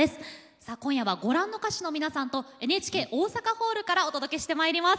さあ今夜はご覧の歌手の皆さんとＮＨＫ大阪ホールからお届けしてまいります。